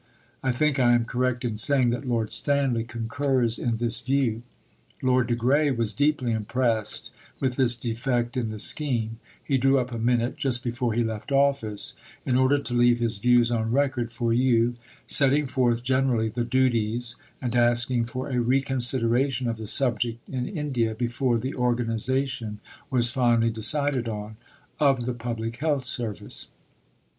(I think I am correct in saying that Lord Stanley concurs in this view.) Lord de Grey was deeply impressed with this defect in the scheme; he drew up a Minute (just before he left office) in order to leave his views on record for you, setting forth generally the duties, and asking for a reconsideration of the subject in India, before the organisation was finally decided on of the Public Health Service.